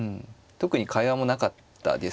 特に会話もなかったですし。